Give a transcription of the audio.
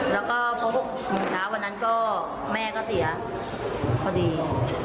แล้วก็เวลานั้นก็แม่ก็เสียพอดี